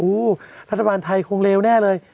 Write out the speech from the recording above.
รัฐบาลไทยคงเลวแน่เลย